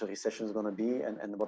apa resesi potensi akan terjadi